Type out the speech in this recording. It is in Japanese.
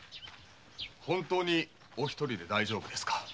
本当にお独りで大丈夫ですか？